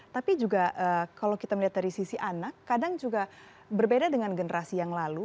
tapi juga kalau kita melihat dari sisi anak kadang juga berbeda dengan generasi yang lalu